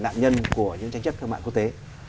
nạn nhân của những trách chất thương mại quốc tế